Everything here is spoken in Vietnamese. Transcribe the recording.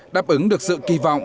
đáp ứng được sự kỳ vọng